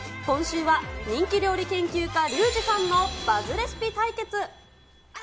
今週は人気料理研究家、リュウジさんのバズレシピ対決。